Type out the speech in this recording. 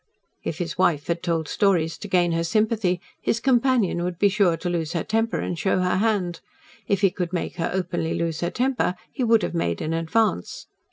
If his wife had told stories to gain her sympathy his companion would be sure to lose her temper and show her hand. If he could make her openly lose her temper, he would have made an advance.